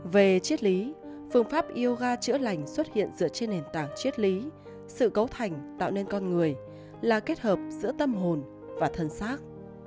về triết lý phương pháp yoga chữa lành xuất hiện dựa trên nền tảng chiết lý sự cấu thành tạo nên con người là kết hợp giữa tâm hồn và thân xác